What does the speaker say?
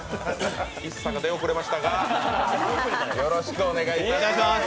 ＩＳＳＡが出遅れましたがよろしくお願いいたします。